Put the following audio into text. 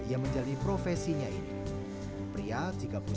ikaf menjaga kesehatan keluarganya